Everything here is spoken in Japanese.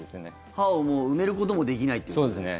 歯を埋めることもできないということですか。